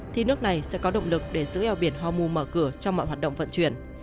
thì nước này sẽ có động lực để giữ eo biển hormu mở cửa trong mọi hoạt động vận chuyển